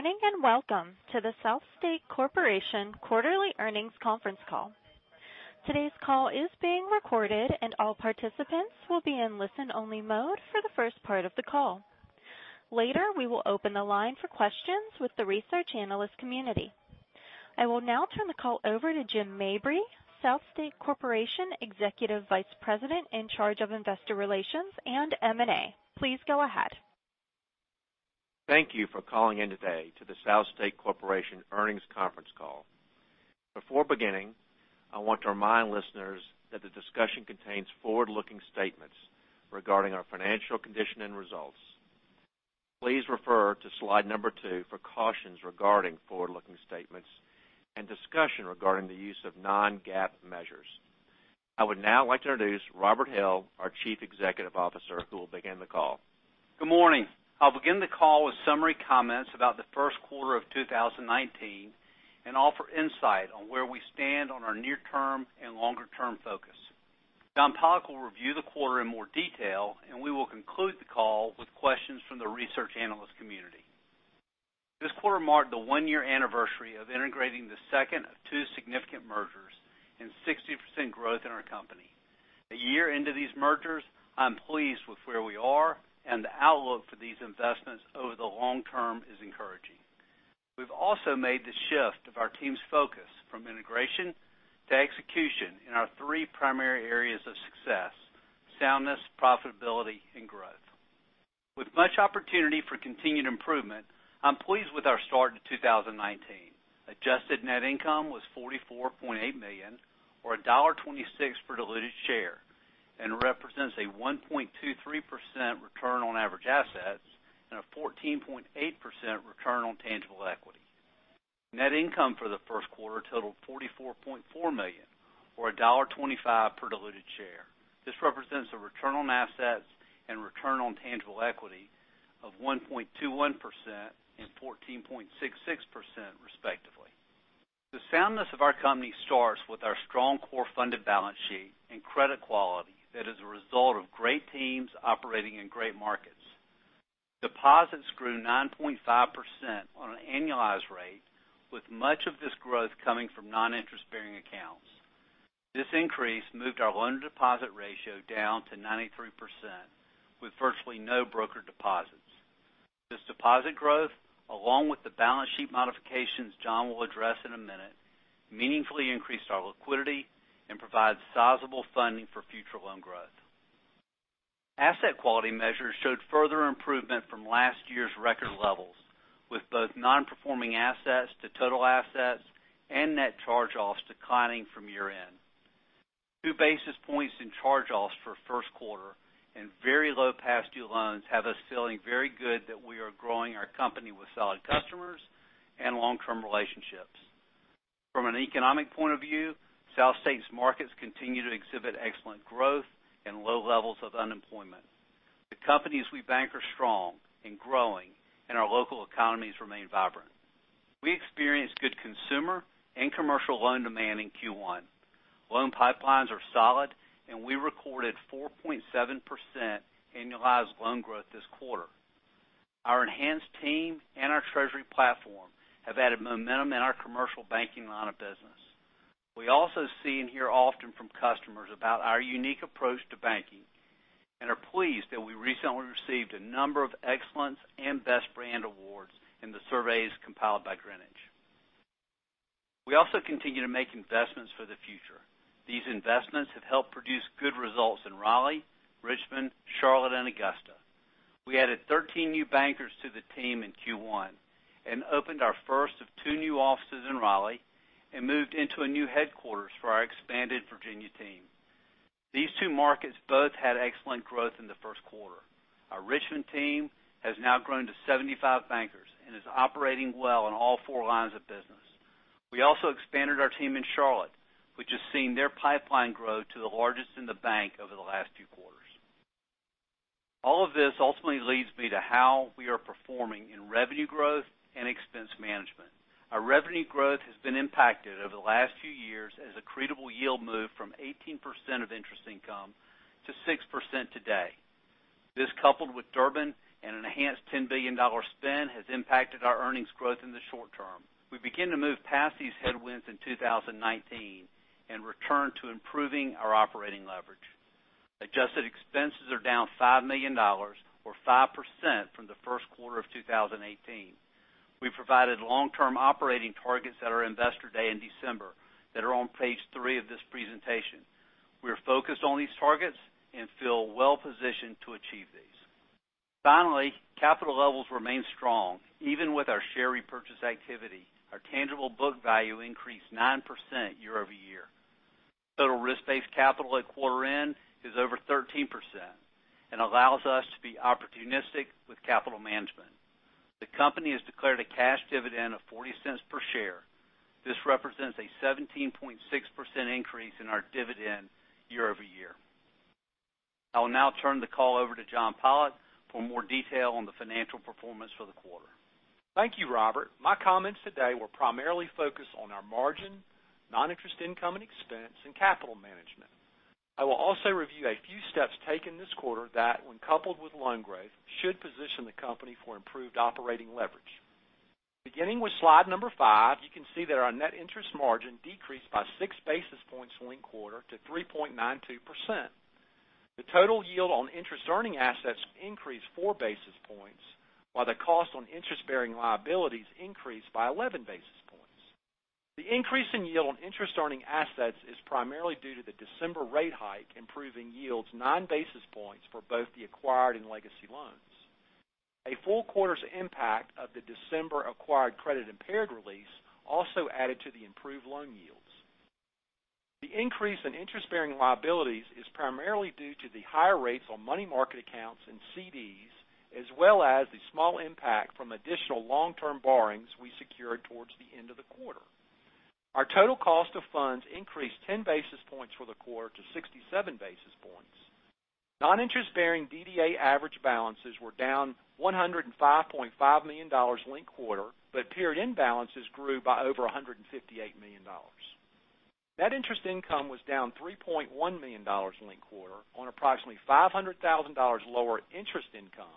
Morning and welcome to the SouthState Corporation quarterly earnings conference call. Today's call is being recorded, and all participants will be in listen-only mode for the first part of the call. Later, we will open the line for questions with the research analyst community. I will now turn the call over to Jim Mabry, SouthState Corporation Executive Vice President in charge of Investor Relations and M&A. Please go ahead. Thank you for calling in today to the SouthState Corporation earnings conference call. Before beginning, I want to remind listeners that the discussion contains forward-looking statements regarding our financial condition and results. Please refer to slide number two for cautions regarding forward-looking statements and discussion regarding the use of non-GAAP measures. I would now like to introduce Robert Hill, our Chief Executive Officer, who will begin the call. Good morning. I'll begin the call with summary comments about the first quarter of 2019 and offer insight on where we stand on our near-term and longer-term focus. John Pollok will review the quarter in more detail, and we will conclude the call with questions from the research analyst community. This quarter marked the one-year anniversary of integrating the second of two significant mergers and 60% growth in our company. A year into these mergers, I'm pleased with where we are, and the outlook for these investments over the long term is encouraging. We've also made the shift of our team's focus from integration to execution in our three primary areas of success: soundness, profitability, and growth. With much opportunity for continued improvement, I'm pleased with our start to 2019. Adjusted net income was $44.8 million, or $1.26 per diluted share, and represents a 1.23% return on average assets and a 14.8% return on tangible equity. Net income for the first quarter totaled $44.4 million, or $1.25 per diluted share. This represents a return on assets and return on tangible equity of 1.21% and 14.66% respectively. The soundness of our company starts with our strong core funded balance sheet and credit quality that is a result of great teams operating in great markets. Deposits grew 9.5% on an annualized rate, with much of this growth coming from non-interest-bearing accounts. This increase moved our loan-to-deposit ratio down to 93%, with virtually no broker deposits. This deposit growth, along with the balance sheet modifications John will address in a minute, meaningfully increased our liquidity and provides sizable funding for future loan growth. Asset quality measures showed further improvement from last year's record levels, with both non-performing assets to total assets and net charge-offs declining from year-end. Two basis points in charge-offs for first quarter and very low past due loans have us feeling very good that we are growing our company with solid customers and long-term relationships. From an economic point of view, SouthState's markets continue to exhibit excellent growth and low levels of unemployment. The companies we bank are strong and growing, and our local economies remain vibrant. We experienced good consumer and commercial loan demand in Q1. Loan pipelines are solid, and we recorded 4.7% annualized loan growth this quarter. Our enhanced team and our treasury platform have added momentum in our commercial banking line of business. We also see and hear often from customers about our unique approach to banking and are pleased that we recently received a number of excellence and best brand awards in the surveys compiled by Greenwich. We also continue to make investments for the future. These investments have helped produce good results in Raleigh, Richmond, Charlotte, and Augusta. We added 13 new bankers to the team in Q1 and opened our first of two new offices in Raleigh and moved into a new headquarters for our expanded Virginia team. These two markets both had excellent growth in the first quarter. Our Richmond team has now grown to 75 bankers and is operating well in all four lines of business. We also expanded our team in Charlotte, which has seen their pipeline grow to the largest in the bank over the last two quarters. All of this ultimately leads me to how we are performing in revenue growth and expense management. Our revenue growth has been impacted over the last few years as accretable yield moved from 18% of interest income to 6% today. This, coupled with Durbin and an enhanced $10 billion spend, has impacted our earnings growth in the short term. We begin to move past these headwinds in 2019 and return to improving our operating leverage. Adjusted expenses are down $5 million, or 5% from the first quarter of 2018. We provided long-term operating targets at our Investor Day in December that are on page three of this presentation. We are focused on these targets and feel well-positioned to achieve these. Finally, capital levels remain strong, even with our share repurchase activity. Our tangible book value increased 9% year-over-year. Total risk-based capital at quarter end is over 13% and allows us to be opportunistic with capital management. The company has declared a cash dividend of $0.40 per share. This represents a 17.6% increase in our dividend year-over-year. I will now turn the call over to John Pollok for more detail on the financial performance for the quarter. Thank you, Robert. My comments today will primarily focus on our margin, non-interest income and expense, and capital management. I will also review a few steps taken this quarter that, when coupled with loan growth, should position the company for improved operating leverage. Beginning with slide number five, you can see that our net interest margin decreased by six basis points linked quarter to 3.92%. The total yield on interest-earning assets increased four basis points, while the cost on interest-bearing liabilities increased by 11 basis points. The increase in yield on interest-earning assets is primarily due to the December rate hike, improving yields nine basis points for both the acquired and legacy loans. A full quarter's impact of the December acquired credit impaired release also added to the improved loan yields. The increase in interest-bearing liabilities is primarily due to the higher rates on money market accounts and CDs, as well as the small impact from additional long-term borrowings we secured towards the end of the quarter. Our total cost of funds increased 10 basis points for the quarter to 67 basis points. Non-interest-bearing DDA average balances were down $105.5 million linked quarter, period end balances grew by over $158 million. Net interest income was down $3.1 million linked quarter on approximately $500,000 lower interest income,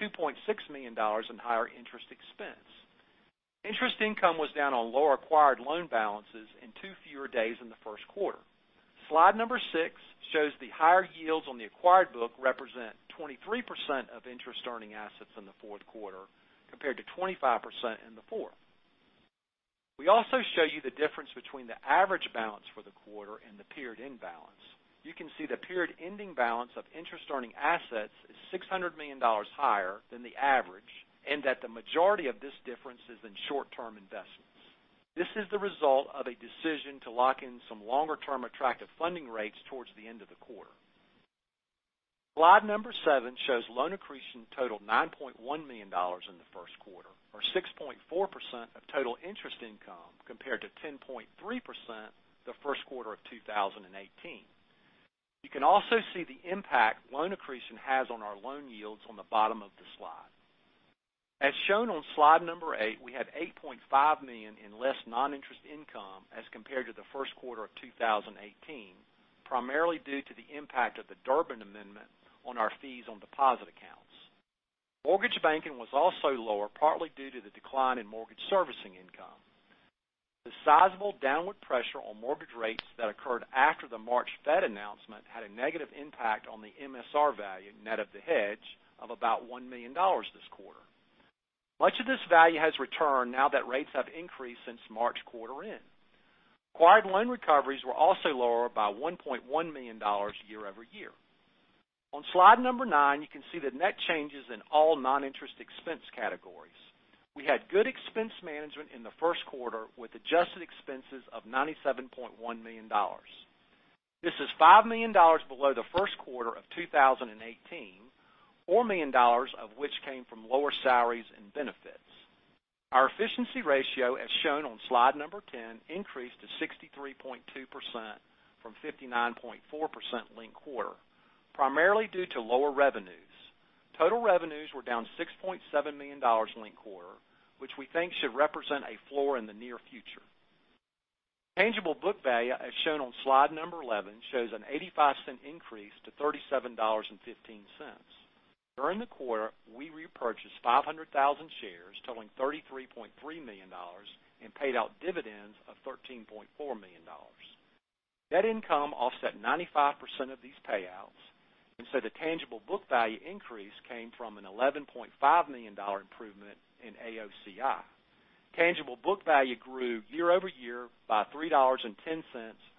$2.6 million in higher interest expense. Interest income was down on lower acquired loan balances and two fewer days in the first quarter. Slide number six shows the higher yields on the acquired book represent 23% of interest earning assets in the fourth quarter, compared to 25% in the fourth. We also show you the difference between the average balance for the quarter and the period end balance. You can see the period ending balance of interest-earning assets is $600 million higher than the average, the majority of this difference is in short-term investments. This is the result of a decision to lock in some longer term attractive funding rates towards the end of the quarter. Slide number seven shows loan accretion totaled $9.1 million in the first quarter, or 6.4% of total interest income, compared to 10.3% the first quarter of 2018. You can also see the impact loan accretion has on our loan yields on the bottom of the slide. As shown on slide number eight, we had $8.5 million in less non-interest income as compared to the first quarter of 2018, primarily due to the impact of the Durbin Amendment on our fees on deposit accounts. Mortgage banking was also lower, partly due to the decline in mortgage servicing income. The sizable downward pressure on mortgage rates that occurred after the March Fed announcement had a negative impact on the MSR value, net of the hedge, of about $1 million this quarter. Much of this value has returned now that rates have increased since March quarter end. Acquired loan recoveries were also lower by $1.1 million year-over-year. On slide number nine, you can see the net changes in all non-interest expense categories. We had good expense management in the first quarter, with adjusted expenses of $97.1 million. This is $5 million below the first quarter of 2018, $4 million of which came from lower salaries and benefits. Our efficiency ratio, as shown on slide number 10, increased to 63.2% from 59.4% linked quarter, primarily due to lower revenues. Total revenues were down $6.7 million linked quarter, which we think should represent a floor in the near future. Tangible book value, as shown on slide number 11, shows an $0.85 increase to $37.15. During the quarter, we repurchased 500,000 shares totaling $33.3 million and paid out dividends of $13.4 million. Net income offset 95% of these payouts, so the tangible book value increase came from an $11.5 million improvement in AOCI. Tangible book value grew year-over-year by $3.10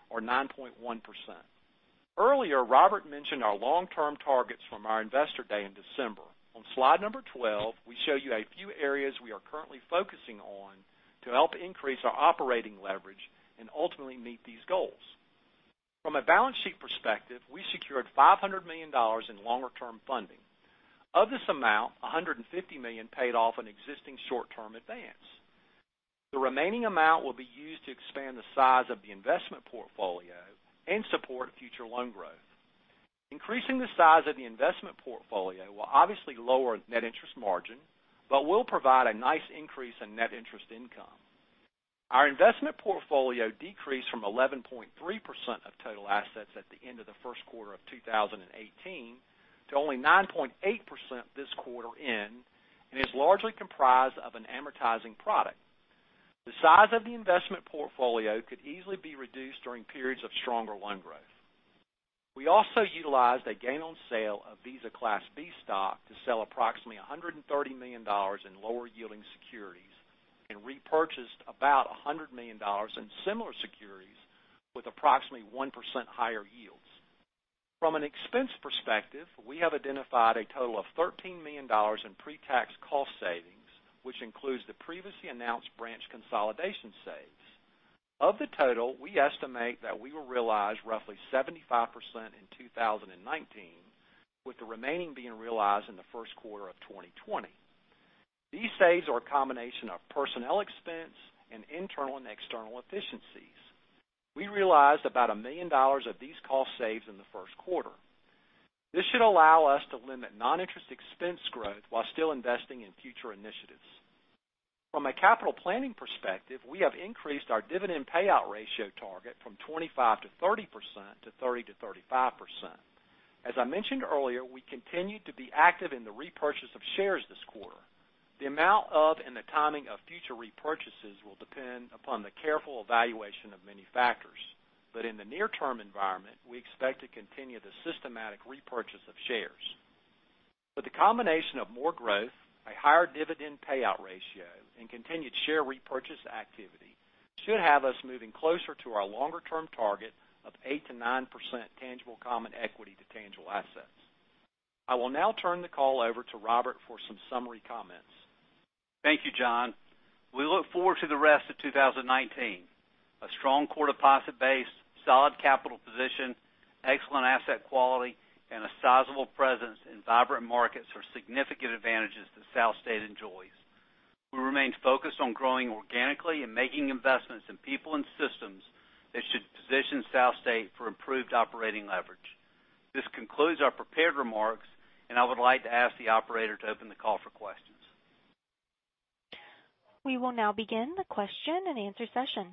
or 9.1%. Earlier, Robert mentioned our long-term targets from our investor day in December. On slide number 12, we show you a few areas we are currently focusing on to help increase our operating leverage and ultimately meet these goals. From a balance sheet perspective, we secured $500 million in longer term funding. Of this amount, $150 million paid off an existing short-term advance. The remaining amount will be used to expand the size of the investment portfolio and support future loan growth. Increasing the size of the investment portfolio will obviously lower net interest margin, but will provide a nice increase in net interest income. Our investment portfolio decreased from 11.3% of total assets at the end of the first quarter of 2018 to only 9.8% this quarter end, and is largely comprised of an amortizing product. The size of the investment portfolio could easily be reduced during periods of stronger loan growth. We also utilized a gain on sale of Visa Class B stock to sell approximately $130 million in lower yielding securities and repurchased about $100 million in similar securities with approximately 1% higher yields. From an expense perspective, we have identified a total of $13 million in pre-tax cost savings, which includes the previously announced branch consolidation saves. Of the total, we estimate that we will realize roughly 75% in 2019, with the remaining being realized in the first quarter of 2020. These saves are a combination of personnel expense and internal and external efficiencies. We realized about $1 million of these cost saves in the first quarter. This should allow us to limit non-interest expense growth while still investing in future initiatives. From a capital planning perspective, we have increased our dividend payout ratio target from 25% to 30% to 30% to 35%. As I mentioned earlier, we continue to be active in the repurchase of shares this quarter. The amount of and the timing of future repurchases will depend upon the careful evaluation of many factors. In the near term environment, we expect to continue the systematic repurchase of shares. The combination of more growth, a higher dividend payout ratio, and continued share repurchase activity should have us moving closer to our longer-term target of 8%-9% tangible common equity to tangible assets. I will now turn the call over to Robert for some summary comments. Thank you, John. We look forward to the rest of 2019. A strong core deposit base, solid capital position, excellent asset quality, and a sizable presence in vibrant markets are significant advantages that SouthState Bank enjoys. We remain focused on growing organically and making investments in people and systems that should position SouthState Bank for improved operating leverage. This concludes our prepared remarks, and I would like to ask the operator to open the call for questions. We will now begin the question and answer session.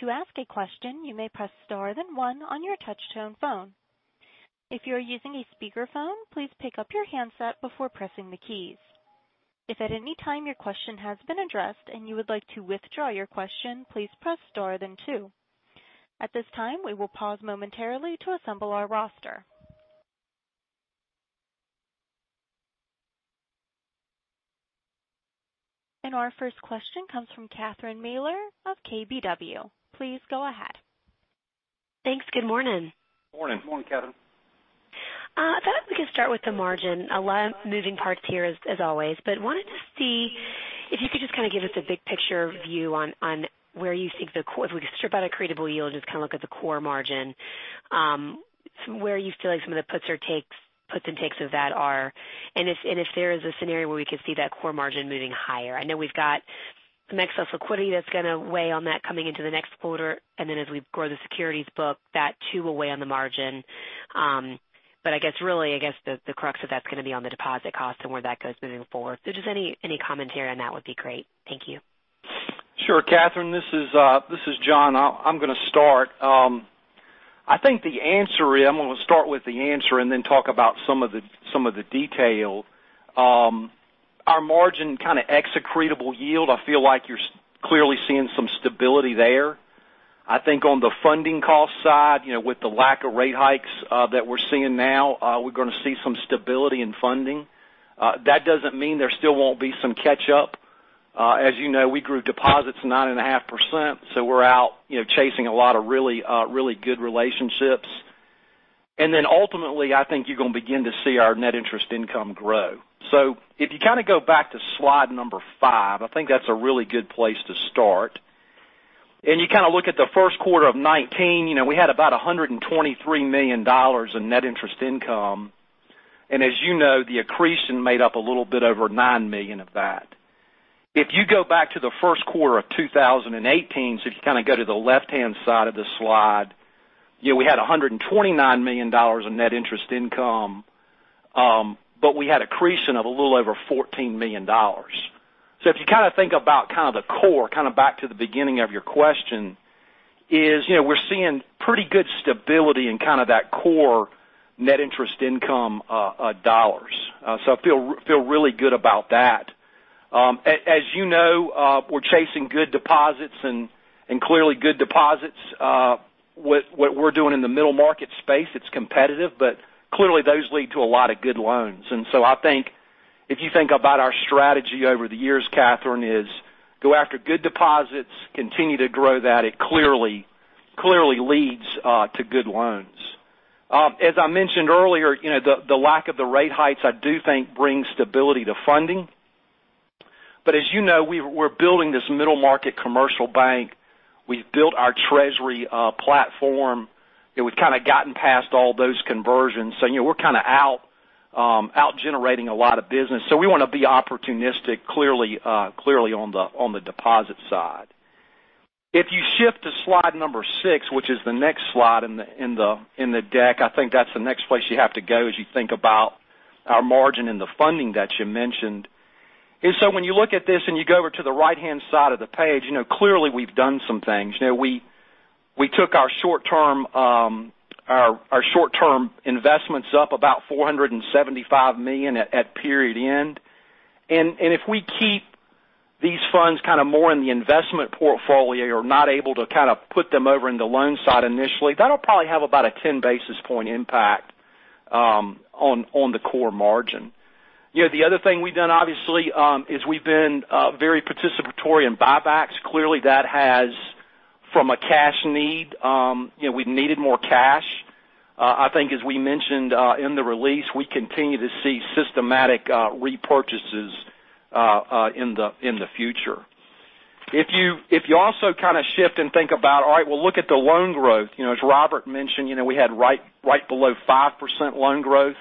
To ask a question, you may press star then one on your touch-tone phone. If you are using a speakerphone, please pick up your handset before pressing the keys. If at any time your question has been addressed and you would like to withdraw your question, please press star then two. At this time, we will pause momentarily to assemble our roster. Our first question comes from Catherine Mealor of KBW. Please go ahead. Thanks. Good morning. Morning. Morning, Catherine. I thought we could start with the margin. A lot of moving parts here as always, wanted to see if you could just kind of give us a big picture view on where you think the core. If we could strip out accretable yield, just kind of look at the core margin, where you feel like some of the puts and takes of that are, and if there is a scenario where we could see that core margin moving higher. I know we've got some excess liquidity that's going to weigh on that coming into the next quarter, and then as we grow the securities book, that too will weigh on the margin. I guess really, the crux of that's going to be on the deposit cost and where that goes moving forward. Just any commentary on that would be great. Thank you. Sure, Catherine. This is John. I'm going to start. I think the answer is, I'm going to start with the answer and then talk about some of the detail. Our margin kind of ex accretable yield, I feel like you're clearly seeing some stability there. I think on the funding cost side, with the lack of rate hikes that we're seeing now, we're going to see some stability in funding. That doesn't mean there still won't be some catch up. As you know, we grew deposits 9.5%, we're out chasing a lot of really good relationships. Then ultimately, I think you're going to begin to see our net interest income grow. If you go back to slide number five, I think that's a really good place to start. You look at the first quarter of 2019, we had about $123 million in net interest income. As you know, the accretion made up a little bit over $9 million of that. If you go back to the first quarter of 2018, if you go to the left-hand side of the slide, we had $129 million in net interest income, we had accretion of a little over $14 million. If you think about the core, back to the beginning of your question, is we're seeing pretty good stability in that core net interest income dollars. I feel really good about that. As you know, we're chasing good deposits and clearly good deposits. What we're doing in the middle market space, it's competitive, clearly those lead to a lot of good loans. I think if you think about our strategy over the years, Catherine, is go after good deposits, continue to grow that. It clearly leads to good loans. As I mentioned earlier, the lack of the rate hikes I do think brings stability to funding. As you know, we're building this middle market commercial bank. We've built our treasury platform, and we've kind of gotten past all those conversions. We're kind of out generating a lot of business. We want to be opportunistic clearly on the deposit side. If you shift to slide number six, which is the next slide in the deck, I think that's the next place you have to go as you think about our margin and the funding that you mentioned. When you look at this and you go over to the right-hand side of the page, clearly we've done some things. We took our short-term investments up about $475 million at period end. If we keep these funds more in the investment portfolio or not able to put them over in the loan side initially, that'll probably have about a 10 basis point impact on the core margin. The other thing we've done, obviously, is we've been very participatory in buybacks. Clearly, that has from a cash need, we've needed more cash. I think as we mentioned in the release, we continue to see systematic repurchases in the future. If you also kind of shift and think about, all right, well, look at the loan growth. As Robert mentioned, we had right below 5% loan growth.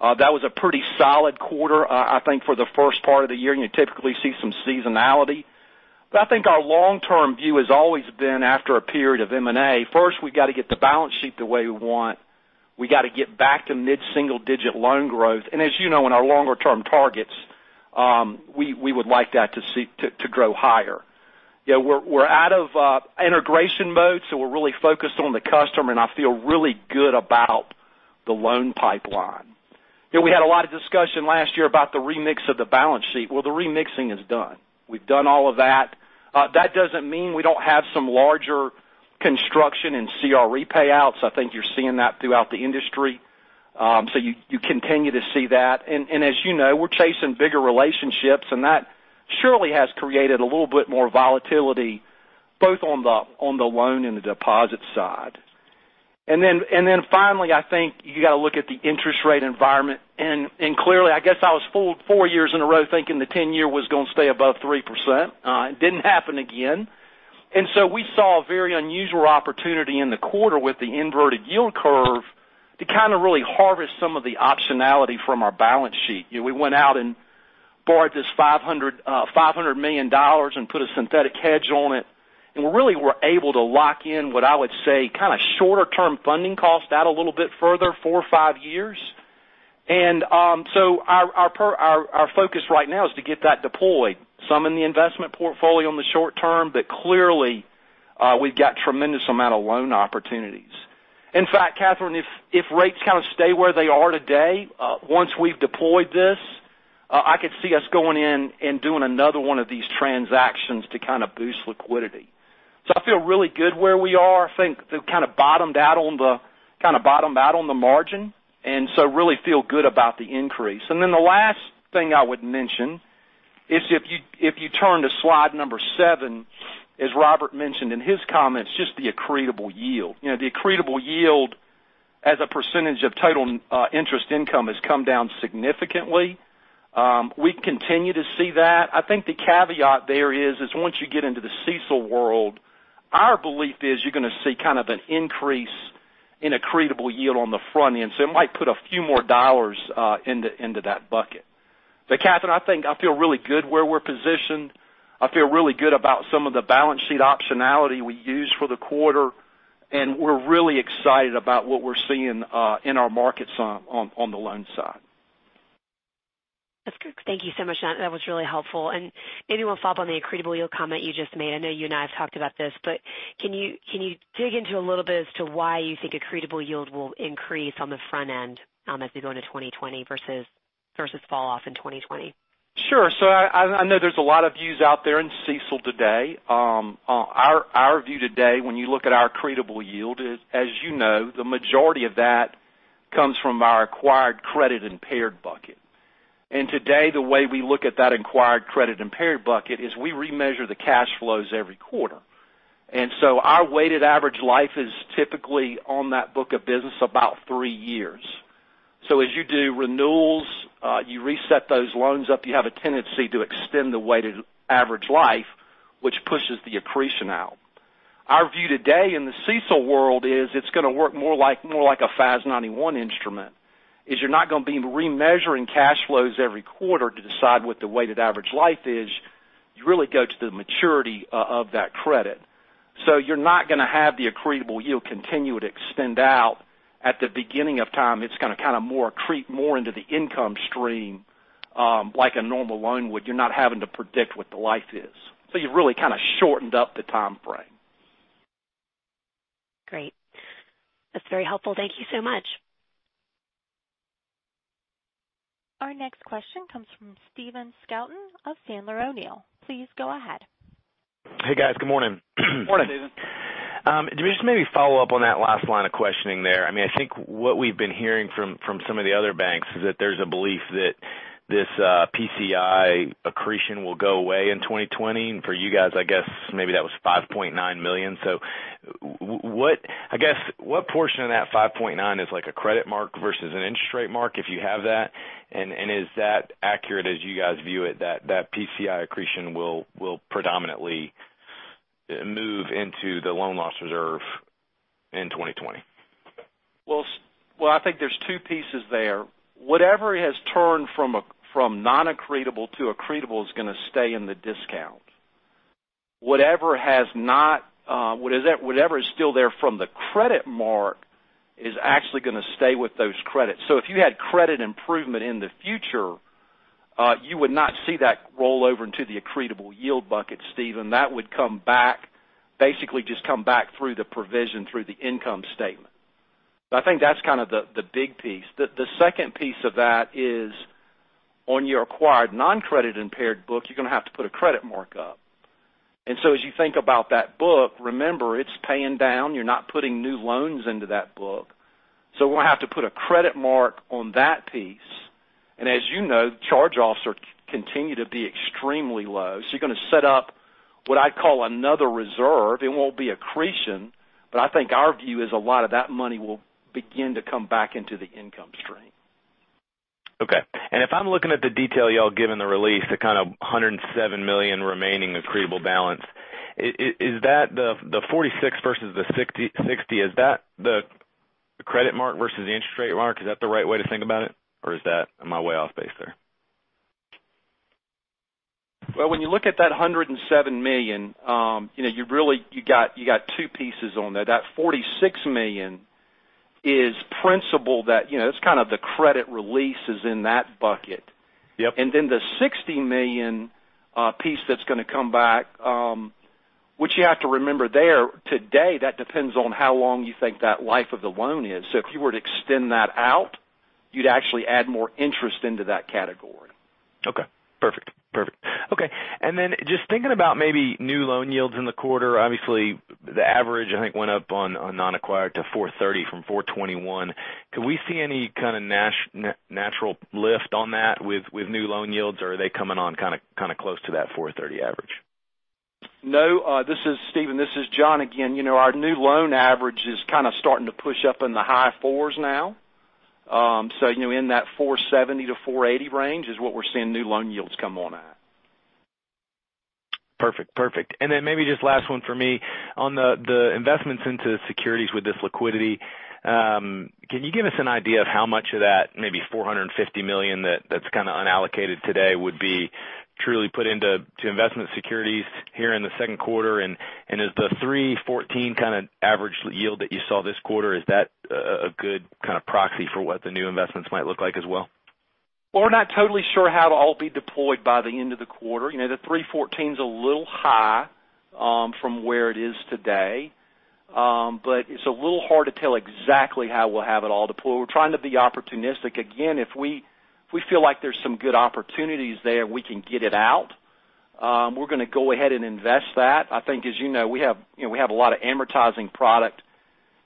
That was a pretty solid quarter, I think, for the first part of the year. You typically see some seasonality. I think our long-term view has always been after a period of M&A, first, we've got to get the balance sheet the way we want. We got to get back to mid-single digit loan growth. As you know, in our longer term targets, we would like that to grow higher. We're out of integration mode, so we're really focused on the customer, and I feel really good about the loan pipeline. We had a lot of discussion last year about the remix of the balance sheet. Well, the remixing is done. We've done all of that. That doesn't mean we don't have some larger construction and CRE payouts. I think you're seeing that throughout the industry. You continue to see that. As you know, we're chasing bigger relationships, and that surely has created a little bit more volatility, both on the loan and the deposit side. Finally, I think you got to look at the interest rate environment. Clearly, I guess I was fooled 4 years in a row thinking the 10-year was going to stay above 3%. It didn't happen again. We saw a very unusual opportunity in the quarter with the inverted yield curve to kind of really harvest some of the optionality from our balance sheet. We went out and borrowed this $500 million and put a synthetic hedge on it, and really were able to lock in what I would say kind of shorter term funding cost out a little bit further, 4 or 5 years. Our focus right now is to get that deployed, some in the investment portfolio in the short term, clearly, we've got tremendous amount of loan opportunities. In fact, Catherine, if rates kind of stay where they are today, once we've deployed this, I could see us going in and doing another one of these transactions to kind of boost liquidity. I feel really good where we are. I think they've kind of bottomed out on the margin, really feel good about the increase. The last thing I would mention is if you turn to slide number seven, as Robert mentioned in his comments, just the accretable yield. The accretable yield as a percentage of total interest income has come down significantly. We continue to see that. I think the caveat there is once you get into the CECL world, our belief is you're going to see kind of an increase in accretable yield on the front end. It might put a few more dollars into that bucket. Catherine, I think I feel really good where we're positioned. I feel really good about some of the balance sheet optionality we used for the quarter, we're really excited about what we're seeing in our markets on the loan side. That's good. Thank you so much. That was really helpful. Maybe one follow-up on the accretable yield comment you just made. I know you and I have talked about this, can you dig into a little bit as to why you think accretable yield will increase on the front end as we go into 2020 versus fall off in 2020? Sure. I know there's a lot of views out there in CECL today. Our view today, when you look at our accretable yield is, as you know, the majority of that comes from our acquired credit-impaired bucket. Today, the way we look at that acquired credit-impaired bucket is we remeasure the cash flows every quarter. Our weighted average life is typically on that book of business about three years. As you do renewals, you reset those loans up, you have a tendency to extend the weighted average life, which pushes the accretion out. Our view today in the CECL world is it's going to work more like a FAS 91 instrument, is you're not going to be remeasuring cash flows every quarter to decide what the weighted average life is. You really go to the maturity of that credit. You're not going to have the accretable yield continue to extend out at the beginning of time. It's going to kind of accrete more into the income stream, like a normal loan would. You're not having to predict what the life is. You've really kind of shortened up the timeframe. Great. That's very helpful. Thank you so much. Our next question comes from Stephen Scouten of Sandler O'Neill. Please go ahead. Hey, guys. Good morning. Morning. Hey, Stephen. To just maybe follow up on that last line of questioning there. I think what we've been hearing from some of the other banks is that there's a belief that this PCI accretion will go away in 2020. For you guys, I guess maybe that was $5.9 million. I guess, what portion of that $5.9 is like a credit mark versus an interest rate mark, if you have that, and is that accurate as you guys view it, that PCI accretion will predominantly move into the loan loss reserve in 2020? Well, I think there's two pieces there. Whatever has turned from non-accretable to accretable is going to stay in the discount. Whatever is still there from the credit mark is actually going to stay with those credits. If you had credit improvement in the future, you would not see that roll over into the accretable yield bucket, Stephen. That would basically just come back through the provision, through the income statement. I think that's kind of the big piece. The second piece of that is on your acquired non-credit impaired book, you're going to have to put a credit mark up. As you think about that book, remember it's paying down. You're not putting new loans into that book. We're going to have to put a credit mark on that piece. As you know, charge-offs continue to be extremely low. You're going to set up what I call another reserve. It won't be accretion, I think our view is a lot of that money will begin to come back into the income stream. Okay. If I'm looking at the detail y'all give in the release, the kind of $107 million remaining accretable balance. The 46 versus the 60, is that the credit mark versus the interest rate mark, is that the right way to think about it? Am I way off base there? Well, when you look at that $107 million, you got two pieces on there. That $46 million is principal that It's kind of the credit release is in that bucket. Yep. The $60 million piece that's going to come back, which you have to remember there today, that depends on how long you think that life of the loan is. If you were to extend that out, you'd actually add more interest into that category. Okay, perfect. Just thinking about maybe new loan yields in the quarter. Obviously, the average, I think, went up on non-acquired to 4.30% from 4.21%. Could we see any kind of natural lift on that with new loan yields? Are they coming on kind of close to that 4.30% average? No. This is Stephen. This is John again. Our new loan average is kind of starting to push up in the high fours now. In that 4.70%-4.80% range is what we're seeing new loan yields come on at. Perfect. Maybe just last one for me. On the investments into securities with this liquidity, can you give us an idea of how much of that maybe $450 million that's kind of unallocated today would be truly put into investment securities here in the second quarter? Is the 3.14% kind of average yield that you saw this quarter, is that a good kind of proxy for what the new investments might look like as well? Well, we're not totally sure how it'll all be deployed by the end of the quarter. The 3.14%'s a little high from where it is today. It's a little hard to tell exactly how we'll have it all deployed. We're trying to be opportunistic. Again, if we feel like there's some good opportunities there, we can get it out, we're going to go ahead and invest that. I think as you know, we have a lot of amortizing product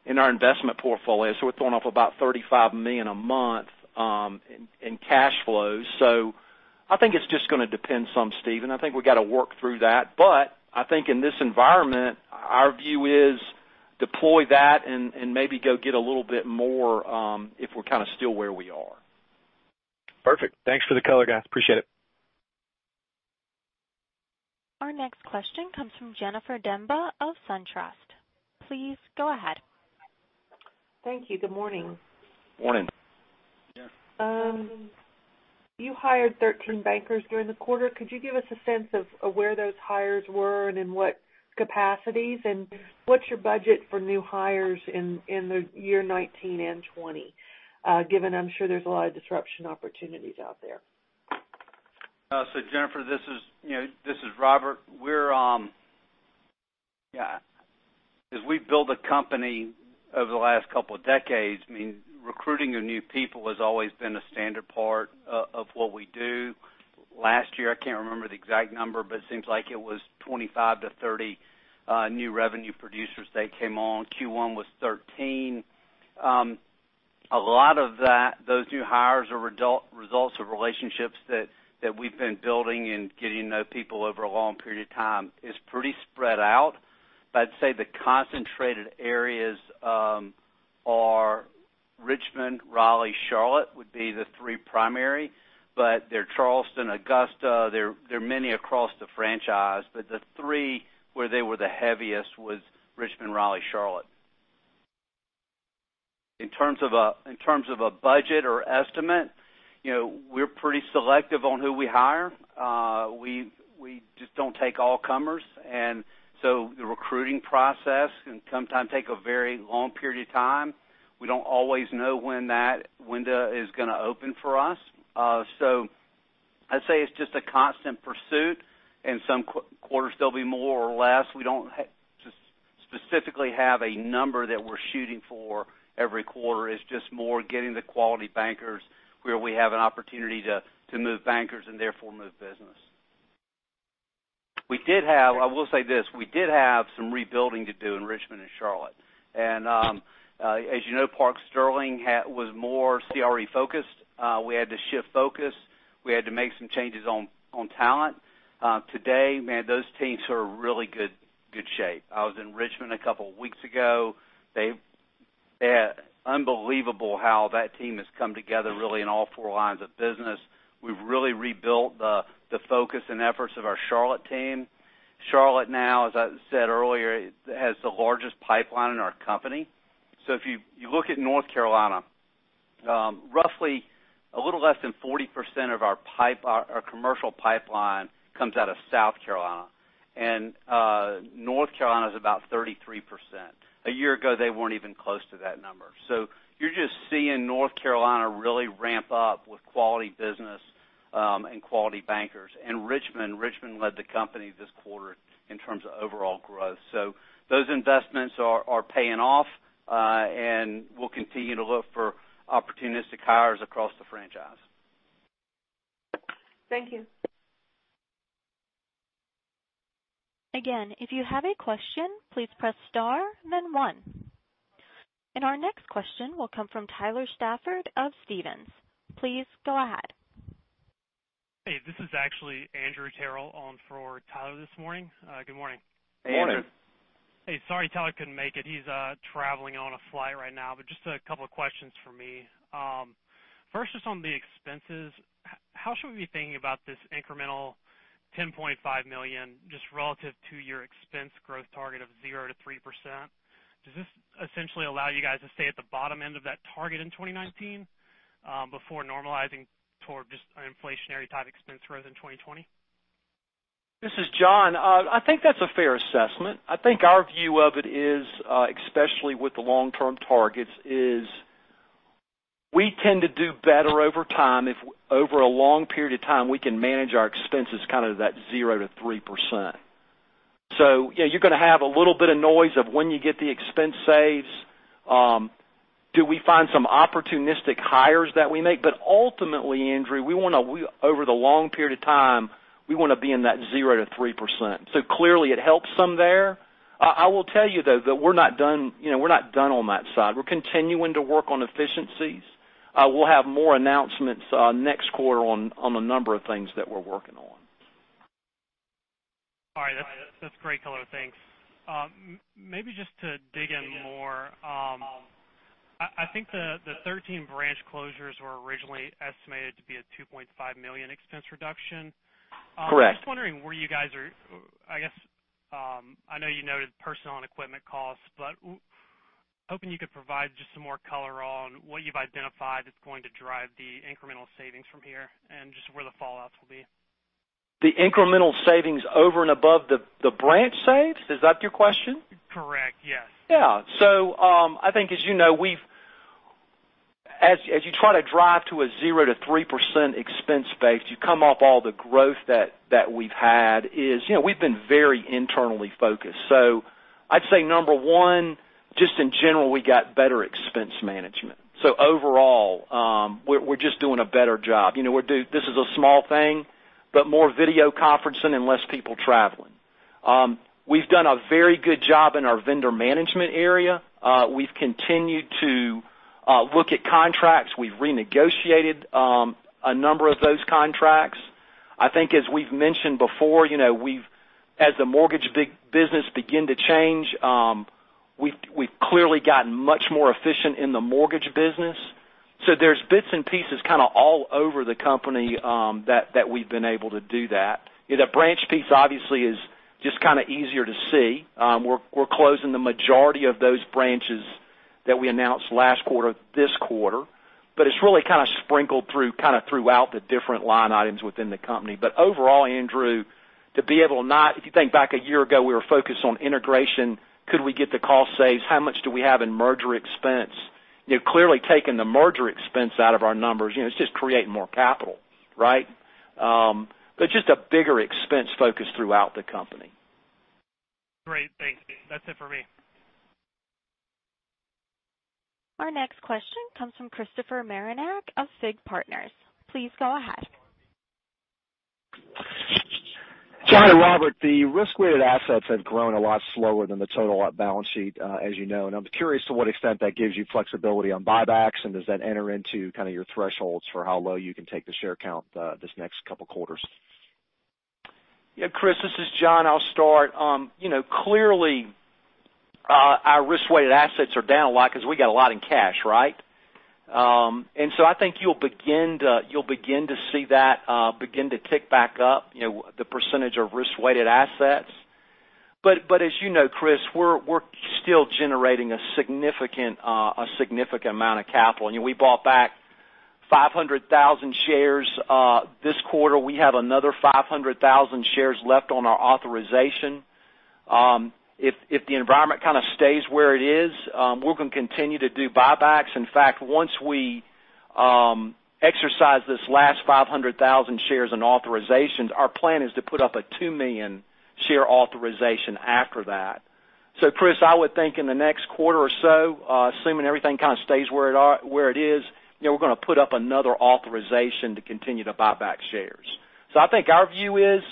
in our investment portfolio, so we're throwing off about $35 million a month in cash flows. I think it's just going to depend some, Stephen. I think we got to work through that. I think in this environment, our view is deploy that and maybe go get a little bit more, if we're kind of still where we are. Perfect. Thanks for the color, guys. Appreciate it. Our next question comes from Jennifer Demba of SunTrust. Please go ahead. Thank you. Good morning. Morning. Yeah. You hired 13 bankers during the quarter. Could you give us a sense of where those hires were and in what capacities? What's your budget for new hires in the year 2019 and 2020, given I'm sure there's a lot of disruption opportunities out there. Jennifer, this is Robert. As we build a company over the last couple of decades, recruiting of new people has always been a standard part of what we do. Last year, I can't remember the exact number, but it seems like it was 25 to 30 new revenue producers that came on. Q1 was 13. A lot of those new hires are results of relationships that we've been building and getting to know people over a long period of time. It's pretty spread out. I'd say the concentrated areas are Richmond, Raleigh, Charlotte, would be the three primary, but they're Charleston, Augusta. They're many across the franchise. The three where they were the heaviest was Richmond, Raleigh, Charlotte. In terms of a budget or estimate, we're pretty selective on who we hire. We just don't take all comers. The recruiting process can sometimes take a very long period of time. We don't always know when that window is going to open for us. I'd say it's just a constant pursuit, and some quarters there'll be more or less. We don't specifically have a number that we're shooting for every quarter. It's just more getting the quality bankers where we have an opportunity to move bankers and therefore move business. I will say this, we did have some rebuilding to do in Richmond and Charlotte. As you know, Park Sterling was more CRE focused. We had to shift focus. We had to make some changes on talent. Today, man, those teams are in really good shape. I was in Richmond a couple of weeks ago. Unbelievable how that team has come together really in all four lines of business. We've really rebuilt the focus and efforts of our Charlotte team. Charlotte now, as I said earlier, has the largest pipeline in our company. If you look at North Carolina, roughly a little less than 40% of our commercial pipeline comes out of South Carolina. North Carolina is about 33%. A year ago, they weren't even close to that number. You're just seeing North Carolina really ramp up with quality business and quality bankers. Richmond led the company this quarter in terms of overall growth. Those investments are paying off. We'll continue to look for opportunistic hires across the franchise. Thank you. Again, if you have a question, please press star then one. Our next question will come from Tyler Stafford of Stephens. Please go ahead. Hey, this is actually Andrew Terrell on for Tyler this morning. Good morning. Morning. Morning. Hey, sorry Tyler couldn't make it. He's traveling on a flight right now. Just a couple of questions from me. First, just on the expenses. How should we be thinking about this incremental $10.5 million, just relative to your expense growth target of 0%-3%? Does this essentially allow you guys to stay at the bottom end of that target in 2019, before normalizing toward just an inflationary type expense growth in 2020? This is John. I think that's a fair assessment. I think our view of it is, especially with the long-term targets, is we tend to do better over time if over a long period of time, we can manage our expenses kind of that 0%-3%. Yeah, you're going to have a little bit of noise of when you get the expense saves. Do we find some opportunistic hires that we make? Ultimately, Andrew, over the long period of time, we want to be in that 0%-3%. Clearly it helps some there. I will tell you, though, that we're not done on that side. We're continuing to work on efficiencies. We'll have more announcements next quarter on the number of things that we're working on. All right. That's great color. Thanks. Maybe just to dig in more, I think the 13 branch closures were originally estimated to be a $2.5 million expense reduction. Correct. I'm just wondering where you guys are, I know you noted personnel and equipment costs, but hoping you could provide just some more color on what you've identified that's going to drive the incremental savings from here and just where the fallouts will be. The incremental savings over and above the branch saves? Is that your question? Correct. Yes. Yeah. I think as you know, as you try to drive to a 0% to 3% expense base, you come off all the growth that we've had is, we've been very internally focused. I'd say number 1, just in general, we got better expense management. Overall, we're just doing a better job. This is a small thing, but more video conferencing and less people traveling. We've done a very good job in our vendor management area. We've continued to look at contracts. We've renegotiated a number of those contracts. I think as we've mentioned before, as the mortgage business begin to change, we've clearly gotten much more efficient in the mortgage business. There's bits and pieces kind of all over the company that we've been able to do that. The branch piece obviously is just kind of easier to see. We're closing the majority of those branches that we announced last quarter, this quarter, but it's really kind of sprinkled throughout the different line items within the company. Overall, Andrew, if you think back a year ago, we were focused on integration. Could we get the cost saves? How much do we have in merger expense? Clearly taking the merger expense out of our numbers, it's just creating more capital, right? Just a bigger expense focus throughout the company. Great. Thanks. That's it for me. Our next question comes from Christopher Marinac of FIG Partners. Please go ahead. John and Robert, the risk-weighted assets have grown a lot slower than the total balance sheet, as you know. I'm curious to what extent that gives you flexibility on buybacks, does that enter into kind of your thresholds for how low you can take the share count this next couple quarters? Yeah, Chris, this is John. I'll start. Clearly, our risk-weighted assets are down a lot because we got a lot in cash, right? I think you'll begin to see that begin to tick back up, the percentage of risk-weighted assets. As you know, Chris, we're still generating a significant amount of capital. We bought back 500,000 shares this quarter. We have another 500,000 shares left on our authorization. If the environment kind of stays where it is, we're going to continue to do buybacks. In fact, once we exercise this last 500,000 shares in authorizations, our plan is to put up a 2 million share authorization after that. Chris, I would think in the next quarter or so, assuming everything kind of stays where it is, we're going to put up another authorization to continue to buy back shares. I think our view is,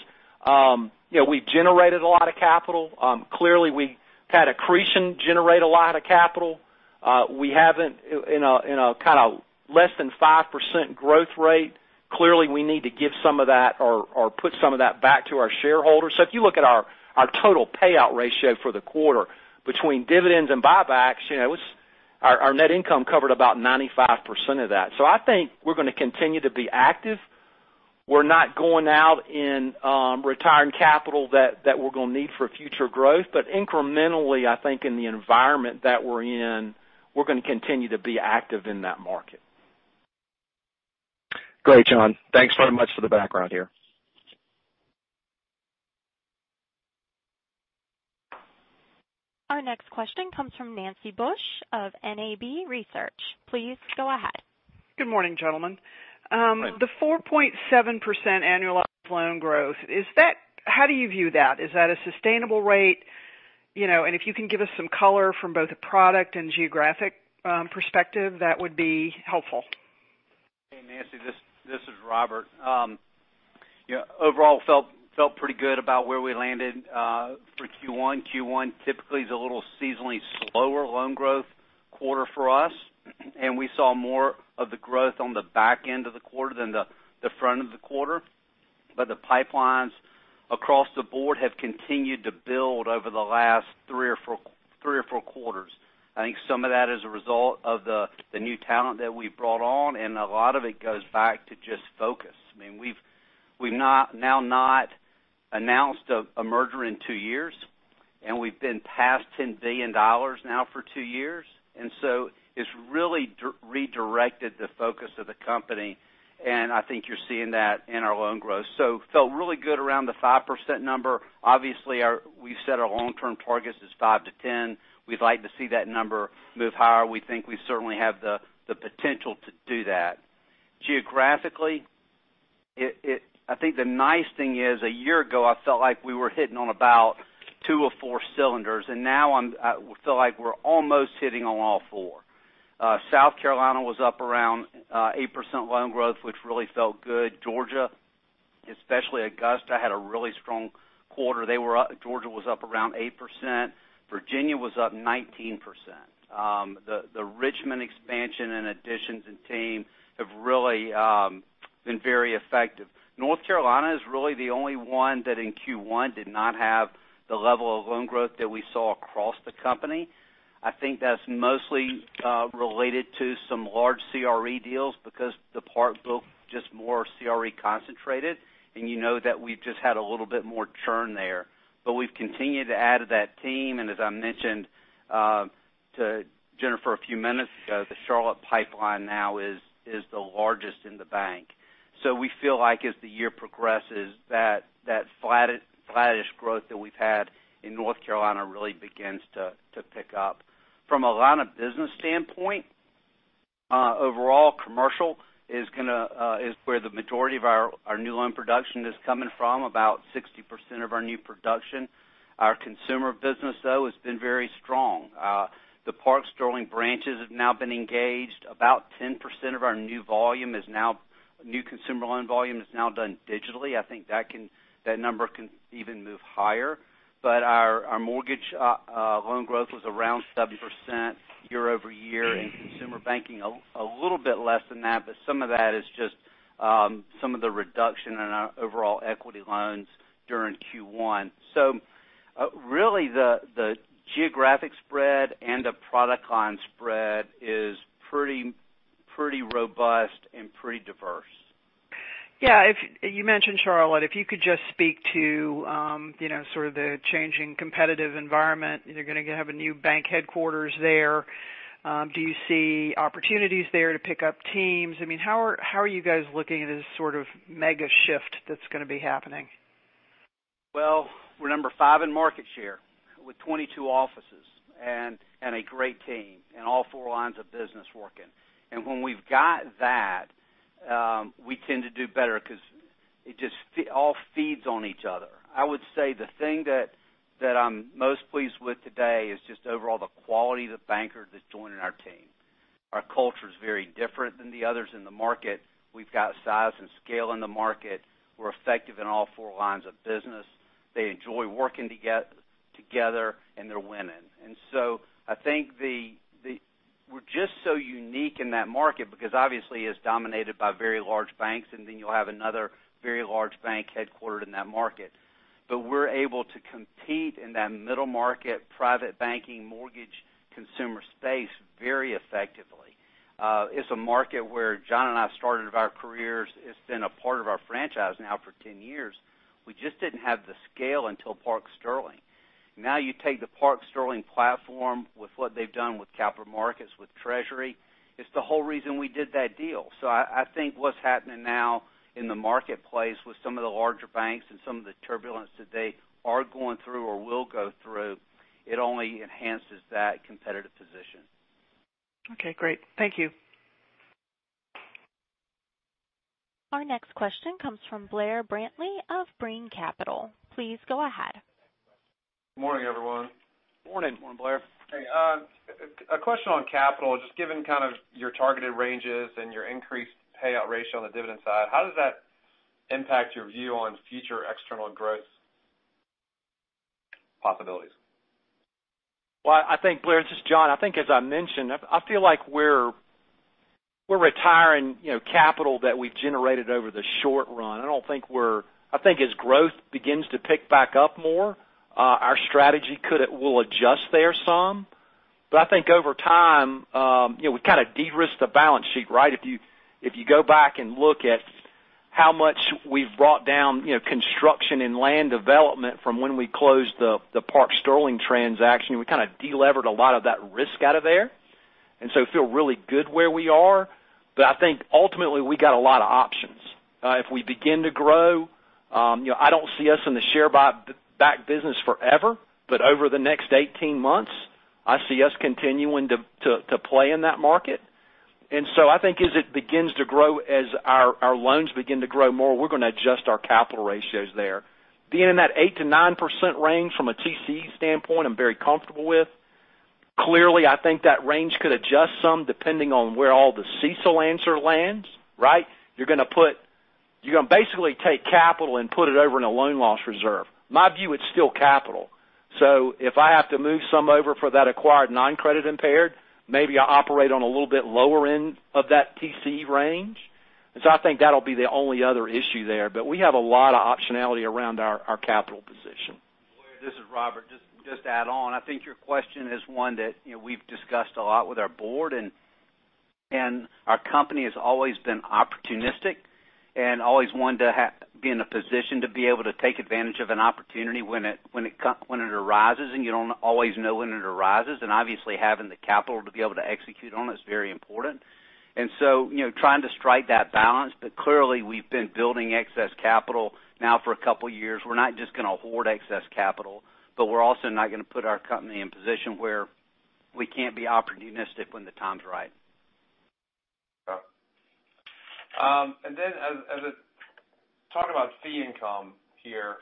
we've generated a lot of capital. Clearly, we've had accretion generate a lot of capital. In a kind of less than 5% growth rate, clearly, we need to give some of that, or put some of that back to our shareholders. If you look at our total payout ratio for the quarter between dividends and buybacks, our net income covered about 95% of that. I think we're going to continue to be active. We're not going out and retiring capital that we're going to need for future growth. Incrementally, I think in the environment that we're in, we're going to continue to be active in that market. Great, John. Thanks very much for the background here. Our next question comes from Nancy Bush of NAB Research. Please go ahead. Good morning, gentlemen. Good morning. The 4.7% annualized loan growth, how do you view that? Is that a sustainable rate? If you can give us some color from both a product and geographic perspective, that would be helpful. Hey, Nancy, this is Robert. Overall felt pretty good about where we landed for Q1. Q1 typically is a little seasonally slower loan growth quarter for us, and we saw more of the growth on the back end of the quarter than the front of the quarter. The pipelines across the board have continued to build over the last three or four quarters. I think some of that is a result of the new talent that we've brought on, and a lot of it goes back to just focus. We've now not announced a merger in two years, and we've been past $10 billion now for two years. It's really redirected the focus of the company, and I think you're seeing that in our loan growth. Felt really good around the 5% number. Obviously, we've said our long-term target is 5%-10%. We'd like to see that number move higher. We think we certainly have the potential to do that. Geographically, I think the nice thing is, a year ago, I felt like we were hitting on about two of four cylinders, and now I feel like we're almost hitting on all four. South Carolina was up around 8% loan growth, which really felt good. Georgia, especially Augusta, had a really strong quarter. Georgia was up around 8%. Virginia was up 19%. The Richmond expansion and additions in team have really been very effective. North Carolina is really the only one that in Q1 did not have the level of loan growth that we saw across the company. I think that's mostly related to some large CRE deals because the part built just more CRE concentrated, and you know that we've just had a little bit more churn there. We've continued to add to that team, and as I mentioned to Jennifer a few minutes ago, the Charlotte pipeline now is the largest in the bank. We feel like as the year progresses, that flattish growth that we've had in North Carolina really begins to pick up. From a line of business standpoint, overall commercial is where the majority of our new loan production is coming from, about 60% of our new production. Our consumer business, though, has been very strong. The Park Sterling branches have now been engaged. About 10% of our new consumer loan volume is now done digitally. I think that number can even move higher. Our mortgage loan growth was around 7% year-over-year, and consumer banking, a little bit less than that. Some of that is just some of the reduction in our overall equity loans during Q1. Really, the geographic spread and the product line spread is pretty robust and pretty diverse. Yeah. You mentioned Charlotte. If you could just speak to sort of the changing competitive environment. You're going to have a new bank headquarters there. Do you see opportunities there to pick up teams? How are you guys looking at this sort of mega shift that's going to be happening? Well, we're number five in market share with 22 offices and a great team, all four lines of business working. When we've got that, we tend to do better because it just all feeds on each other. I would say the thing that I'm most pleased with today is just overall the quality of the banker that's joining our team. Our culture is very different than the others in the market. We've got size and scale in the market. We're effective in all four lines of business. They enjoy working together, and they're winning. I think we're just so unique in that market because obviously it's dominated by very large banks, and then you'll have another very large bank headquartered in that market. We're able to compete in that middle market, private banking, mortgage consumer space very effectively. It's a market where John and I started our careers. It's been a part of our franchise now for 10 years. We just didn't have the scale until Park Sterling. You take the Park Sterling platform with what they've done with capital markets, with treasury, it's the whole reason we did that deal. I think what's happening now in the marketplace with some of the larger banks and some of the turbulence that they are going through or will go through, it only enhances that competitive position. Okay, great. Thank you. Our next question comes from Blair Brantley of Brean Capital. Please go ahead. Morning, everyone. Morning. Morning, Blair. Hey. A question on capital. Just given kind of your targeted ranges and your increased payout ratio on the dividend side, how does that impact your view on future external growth possibilities? Well, Blair, this is John. I think as I mentioned, I feel like we're retiring capital that we've generated over the short run. I think as growth begins to pick back up more, our strategy will adjust there some. I think over time, we kind of de-risked the balance sheet, right? If you go back and look at how much we've brought down construction and land development from when we closed the Park Sterling transaction, we kind of de-levered a lot of that risk out of there, and so feel really good where we are. I think ultimately, we got a lot of options. If we begin to grow, I don't see us in the share buyback business forever. Over the next 18 months, I see us continuing to play in that market. I think as it begins to grow, as our loans begin to grow more, we're going to adjust our capital ratios there. Being in that 8%-9% range from a TC standpoint, I'm very comfortable with. Clearly, I think that range could adjust some depending on where all the CECL answer lands, right? You're going to basically take capital and put it over in a loan loss reserve. My view, it's still capital. If I have to move some over for that acquired non-credit impaired, maybe I operate on a little bit lower end of that TC range. I think that'll be the only other issue there. We have a lot of optionality around our capital position. Blair, this is Robert. Just to add on, I think your question is one that we've discussed a lot with our board, and our company has always been opportunistic and always wanted to be in a position to be able to take advantage of an opportunity when it arises. You don't always know when it arises, and obviously, having the capital to be able to execute on is very important. Trying to strike that balance. Clearly, we've been building excess capital now for a couple of years. We're not just going to hoard excess capital, but we're also not going to put our company in a position where we can't be opportunistic when the time's right. As I talk about fee income here,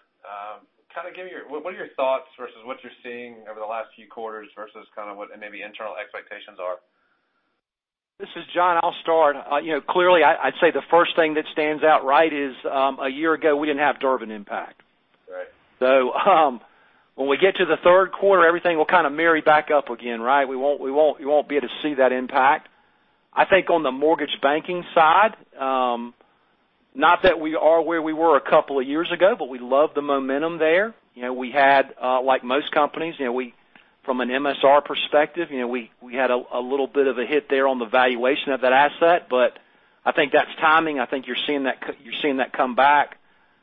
what are your thoughts versus what you're seeing over the last few quarters versus what maybe internal expectations are? This is John. I'll start. Clearly, I'd say the first thing that stands out right is a year ago, we didn't have Durbin impact. Right. When we get to the third quarter, everything will kind of marry back up again. We won't be able to see that impact. I think on the mortgage banking side, not that we are where we were a couple of years ago, but we love the momentum there. We had, like most companies, from an MSR perspective, we had a little bit of a hit there on the valuation of that asset. I think that's timing. I think you're seeing that come back.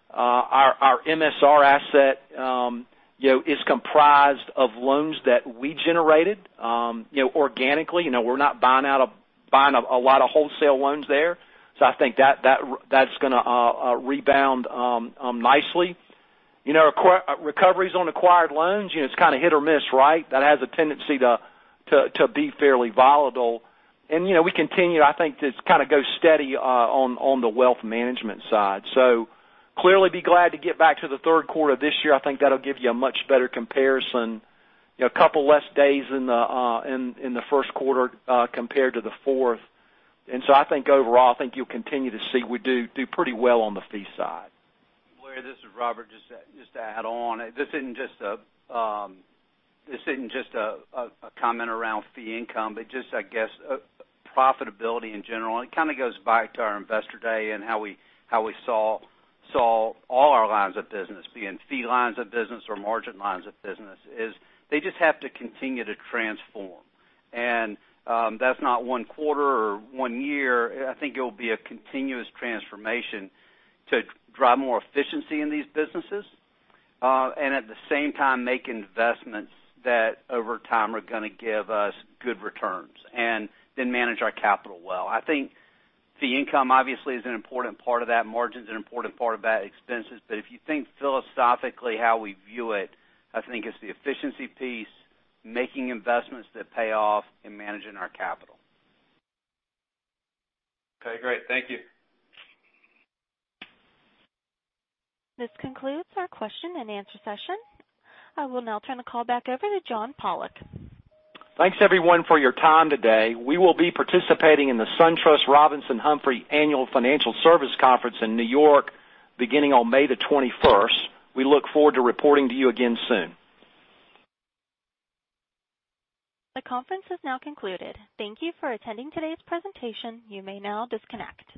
Our MSR asset is comprised of loans that we generated organically. We're not buying a lot of wholesale loans there. I think that's going to rebound nicely. Recoveries on acquired loans, it's kind of hit or miss. That has a tendency to be fairly volatile. We continue, I think, to kind of go steady on the wealth management side. Clearly be glad to get back to the third quarter this year. I think that'll give you a much better comparison. A couple of less days in the first quarter compared to the fourth. I think overall, I think you'll continue to see we do pretty well on the fee side. Blair, this is Robert. Just to add on, this isn't just a comment around fee income, but just, I guess, profitability in general. It kind of goes back to our investor day and how we saw all our lines of business, be it fee lines of business or margin lines of business, is they just have to continue to transform. That's not one quarter or one year. I think it will be a continuous transformation to drive more efficiency in these businesses. At the same time, make investments that over time are going to give us good returns and then manage our capital well. I think fee income obviously is an important part of that. Margin is an important part of that, expenses. If you think philosophically how we view it, I think it's the efficiency piece, making investments that pay off and managing our capital. Okay, great. Thank you. This concludes our question and answer session. I will now turn the call back over to John Pollok. Thanks, everyone, for your time today. We will be participating in the SunTrust Robinson Humphrey Annual Financial Services Conference in New York beginning on May the 21st. We look forward to reporting to you again soon. The conference is now concluded. Thank you for attending today's presentation. You may now disconnect.